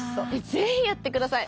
ぜひやって下さい！